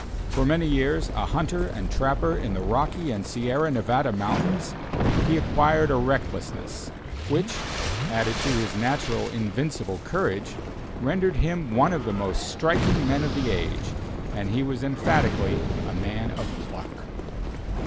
For many years a hunter and trapper in the Rocky and Sierra Nevada Mountains, he acquired a recklessness, which, added to his natural invincible courage, rendered him one of the most striking men of the age, and he was emphatically a man of pluck.